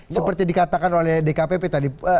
seperti dikatakan oleh dkpp tadi